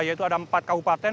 yaitu ada empat kabupaten